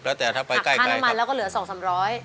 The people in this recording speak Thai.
แล้วแต่ถ้าไปใกล้ค่าน้ำมันแล้วก็เหลือสองสามร้อย